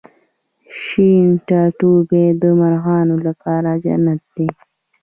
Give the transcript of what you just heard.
شین ټاټوبی د مرغانو لپاره جنت دی